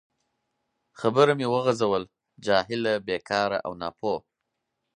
خبره مې وغځول: جاهله، بیکاره او ناپوه.